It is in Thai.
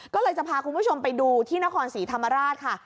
ก็เลยจะพาคุณผู้ชมไปดูที่นครศรีธรรมราชค่ะ